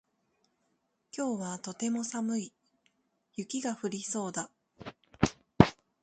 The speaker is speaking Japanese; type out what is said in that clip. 今日はとても寒い。雪が降りそうだ。